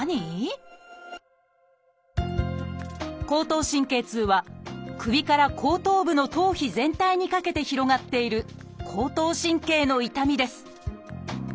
「後頭神経痛」は首から後頭部の頭皮全体にかけて広がっている後頭神経の痛みです。